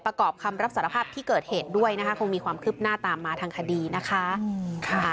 ประกอบคำรับสารภาพที่เกิดเหตุด้วยนะคะคงมีความคืบหน้าตามมาทางคดีนะคะ